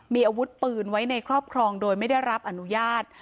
มีอาวุธปืนไว้ในครอบครองโดยไม่ได้รับอนุญาต